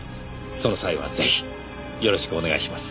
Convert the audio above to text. その際はぜひよろしくお願いします。